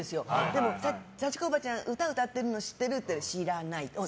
でも、幸子おばちゃん歌、歌ってるの知ってる？って言うと知らないって。